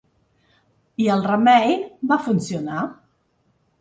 I el remei va funcionar.